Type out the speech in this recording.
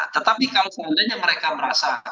tetapi kalau seandainya mereka merasa